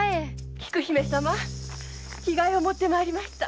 菊姫様着替えを持ってまいりました。